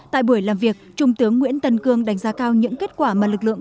tại buổi làm việc trung tướng nguyễn tân cương đánh giá cao những kết quả mà lực lượng